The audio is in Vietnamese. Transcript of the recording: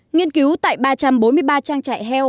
nghiên cứu tại ba trăm bốn mươi ba trang trại heo